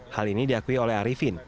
hal ini diakui oleh arifin